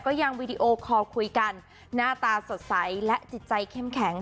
ยังวีดีโอคอลคุยกันหน้าตาสดใสและจิตใจเข้มแข็ง